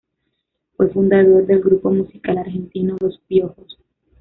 Fue fundador del grupo musical argentino Los Piojos.